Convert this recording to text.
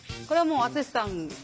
これはもう篤さん